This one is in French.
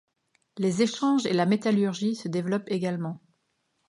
Les échanges et la métallurgie se développent également.